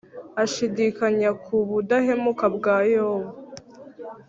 Ashidikanya ku budahemuka bwa Yobu